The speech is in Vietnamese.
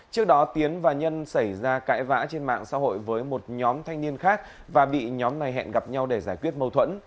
trước đó tiến và nhân xảy ra cãi vã trên mạng xã hội với một nhóm thanh niên khác và bị nhóm này hẹn gặp nhau để giải quyết mâu thuẫn